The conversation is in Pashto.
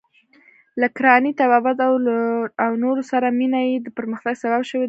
له کرانې، طبابت او نورو سره مینه یې د پرمختګ سبب شوې ده.